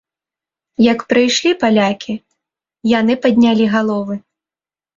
Як прыйшлі палякі, яны паднялі галовы.